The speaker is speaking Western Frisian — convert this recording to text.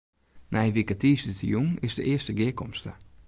Nije wike tiisdeitejûn is de earste gearkomste.